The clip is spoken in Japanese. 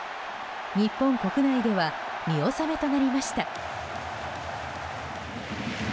日本国内では見納めとなりました。